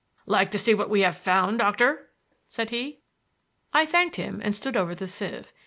"Like to see what we have found, doctor?" said he. I thanked him and stood over the sieve.